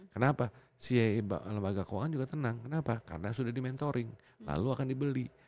kenapa si lembaga keuangan juga tenang kenapa karena sudah di mentoring lalu akan dibeli